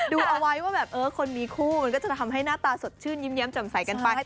ดูเอาไว้ว่าแบบเออคนมีคู่มันก็จะทำให้หน้าตาสดชื่นยิ้มจำใสกันไป